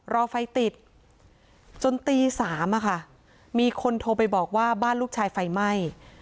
รอไฟติดจนตี๓มีคนโทรไปบอกว่าบ้านลูกชายไฟไหม้